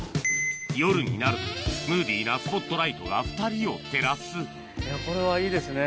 夜になるとムーディーなスポットライトが２人を照らすこれはいいですね。